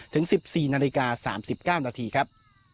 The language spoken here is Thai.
ถึง๑๔นาฬิกา๓๙นาทีครับ